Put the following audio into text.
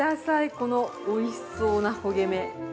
このおいしそうな焦げ目。